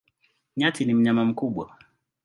Nyati ni mnyama mkubwa.